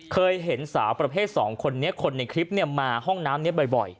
เคยเห็นสาวประเภทสองคนนี้คนในคลิปเนี่ยมาห้องน้ำเนี่ยบ่อยบ่อย